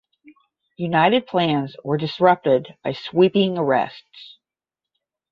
United plans were disrupted by sweeping arrests.